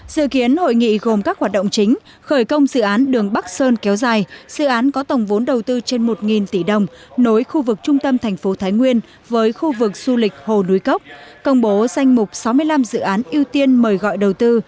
dự kiến hội nghị gồm các hoạt động chính khởi công dự án đường bắc sơn kéo dài dự án có tổng vốn đầu tư trên một tỷ đồng nối khu vực trung tâm thành phố thái nguyên với khu vực du lịch hồ núi cốc công bố danh mục sáu mươi năm dự án ưu tiên mời gọi đầu tư